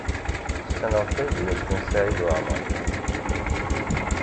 Ssneɣ tadyalt n Saɛid Waɛmaṛ.